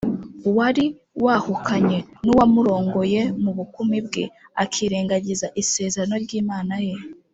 wari wahukanye n’uwamurongoye mu bukumi bwe, akirengagiza isezerano ry’imana ye,